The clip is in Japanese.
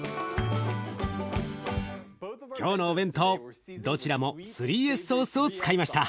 今日のお弁当どちらも３Ｓソースを使いました。